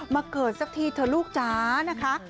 เกิดสักทีเถอะลูกจ๋านะคะ